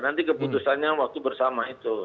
nanti keputusannya waktu bersama itu